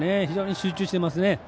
非常に集中していますね。